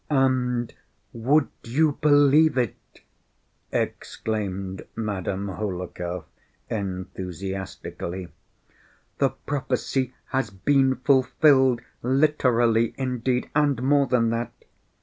And "Would you believe it?" exclaimed Madame Hohlakov enthusiastically, "the prophecy has been fulfilled literally indeed, and more than that."